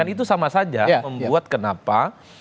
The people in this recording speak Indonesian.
itu sama saja membuat kenapa